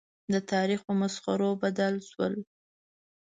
د تاریخ په مسخرو بدل شول.